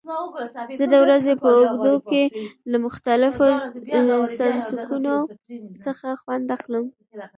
زه د ورځې په اوږدو کې له مختلفو سنکسونو څخه خوند اخلم.